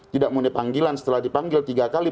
tidak memenuhi panggilan setelah dipanggil tiga kali